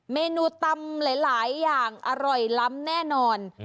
เมนูตำหลายอย่างอร่อยล้ำแน่นอน